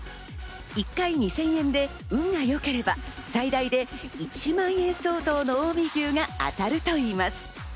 １回２０００円で運がよければ最大で１万円相当の近江牛が当たるといいます。